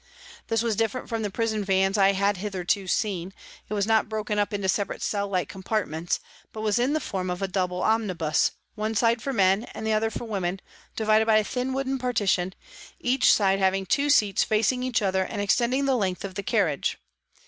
This was different from the prison vans I had hitherto seen; it was not broken up into separate cell like compartments, but was in the form of a double omnibus, one side for men and the other for women, divided by a thin wooden partition, each side having two seats facing each other and extending the length of the carriage.